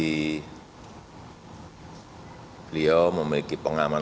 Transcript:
dan juga mengenai perubahan